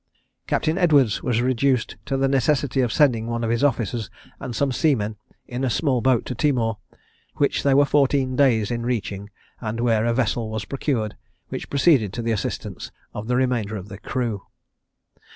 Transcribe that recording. Captain Edwards was reduced to the necessity of sending one of his officers and some seamen in a small boat to Timor, which they were fourteen days in reaching, and where a vessel was procured, which proceeded to the assistance of the remainder of the crew.